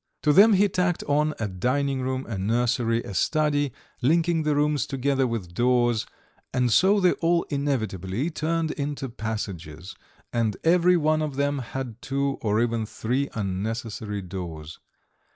To them he tacked on a dining room, a nursery, a study, linking the rooms together with doors, and so they all inevitably turned into passages, and every one of them had two or even three unnecessary doors.